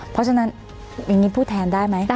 เพราะฉะนั้นอย่างนี้พูดแทนได้ไหม